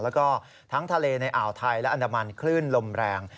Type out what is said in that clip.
แล้วก็ทั้งทะเลในอ่าวไทยและอันดามันคลื่นลมแรง